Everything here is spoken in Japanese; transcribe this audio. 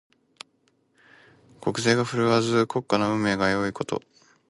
国勢が振るわず、国家の運命が危ういこと。